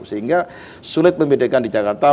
sehingga sulit membedakan di jakarta